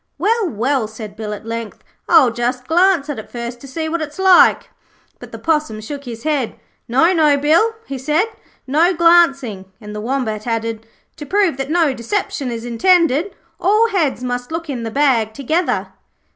'Well, well,' said Bill, at length. 'I'll just glance at it first, to see what it's like.' But the Possum shook his head. 'No, no, Bill,' he said, 'no glancing,' and the Wombat added: 'To prove that no deception is intended, all heads must look in the bag together.'